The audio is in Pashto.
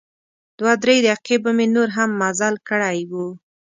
دوه درې دقیقې به مې نور هم مزل کړی و.